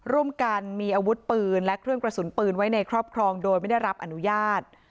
ร่วมกันมีอาวุธปืนและเครื่องกระสุนปืนไว้ในครอบครองโดยไม่ได้รับอนุญาต